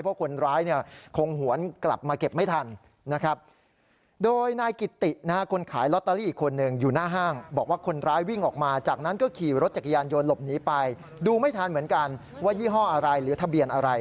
เพราะคนร้ายคงหวนกลับมาเก็บไม่ทันนะครับ